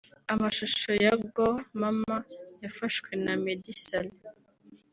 Amashusho ya Go Mama yafashwe na Meddy Saleh